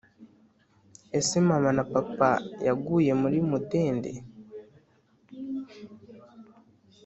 ese mama na papa yaguye muri mudende